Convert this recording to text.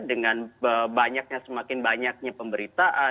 dengan semakin banyaknya pemberitaan